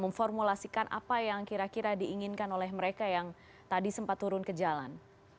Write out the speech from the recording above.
memformulasikan apa yang kira kira diinginkan oleh mereka yang tadi sempat turun ke jalan